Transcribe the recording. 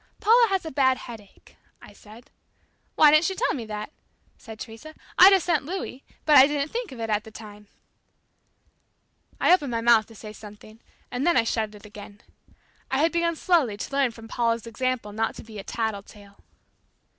"Paula has a bad headache," I said. "Why didn't she tell me that?" said Teresa. "I'd have sent Louis, but I didn't think of it at the time" I opened my mouth to say something, and then I shut it again. I had begun slowly to learn from Paula's example not to be a "tattle tale."